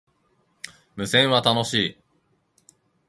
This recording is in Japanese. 無線は、楽しい